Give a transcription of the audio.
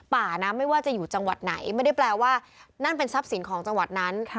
ป่านะไม่ว่าจะอยู่จังหวัดไหนไม่ได้แปลว่านั่นเป็นทรัพย์สินของจังหวัดนั้น